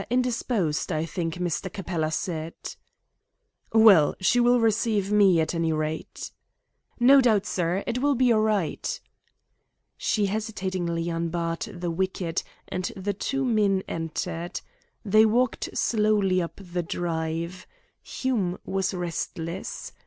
Indisposed, I think Mr. Capella said." "Well, she will receive me, at any rate." "No doubt, sir, it will be all right." She hesitatingly unbarred the wicket, and the two men entered. They walked slowly up the drive. Hume was restless.